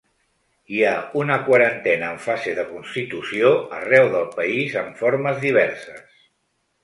Hi ha una quarantena en fase de constitució arreu del país amb formes diverses.